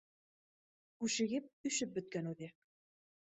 Күшегеп өшөп бөткән үҙе